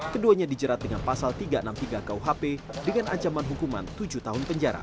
keduanya dijerat dengan pasal tiga ratus enam puluh tiga kuhp dengan ancaman hukuman tujuh tahun penjara